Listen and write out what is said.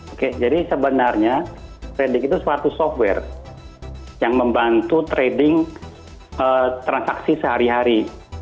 oke jadi sebenarnya trading itu suatu software yang membantu trading transaksi sehari hari